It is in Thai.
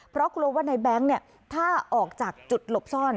เพราะกลัวว่าในแบงค์ถ้าออกจากจุดหลบซ่อน